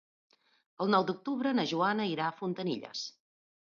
El nou d'octubre na Joana irà a Fontanilles.